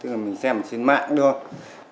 tức là mình xem trên mạng đúng không